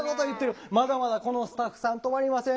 まだまだこのスタッフさん止まりません。